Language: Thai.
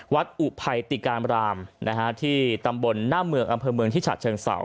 วัดอุไพรติกรรมรามนะฮะที่ตำบลหน้าเมืองอำเภอเมืองที่ฉากเชิงเสา